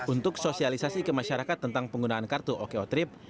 untuk sosialisasi ke masyarakat tentang penggunaan kartu oko trip